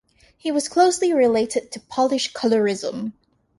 He was closely related to Polish Colourism.